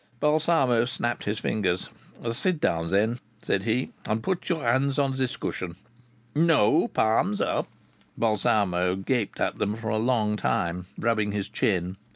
Balsamo snapped his fingers. "Sit down then," said he, "and put your hands on this cushion. No! palms up!" Balsamo gaped at them a long time, rubbing his chin.